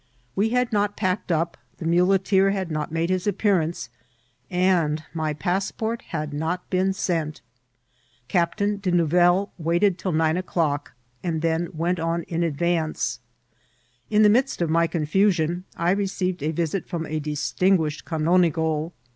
We had not packed up, the muleteer had not made his afq^earance, and my passport had not been sent. Captain De Nou velle waited till nine o'clock, and then went on in ad vance. In the midst of my confusion I received a visit firom a distinguished canonigo.